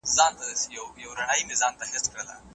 جهاني در څخه ولاړم پر جانان مي سلام وایه